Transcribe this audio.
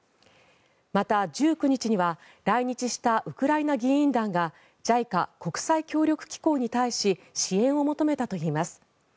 また、１９日には来日したウクライナ議員団がＪＩＣＡ・国際協力機構に対し支援を求めたといいます。